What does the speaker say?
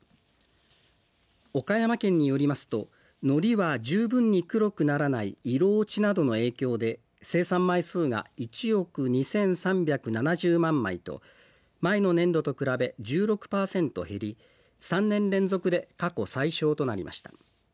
岡山県によりますとノリは十分に黒くならない色落ちなどの影響で生産枚数が１億２３７０万枚と前の年度と比べ１６％減り３年連続で過去最少となりました。